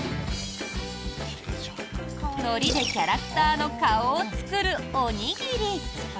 のりでキャラクターの顔を作るおにぎり。